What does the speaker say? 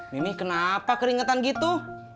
mimih kenapa keringetan gitu